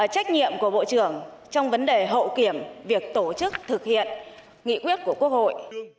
trách nhiệm của bộ trưởng trong vấn đề hậu kiểm việc tổ chức thực hiện nghị quyết của quốc hội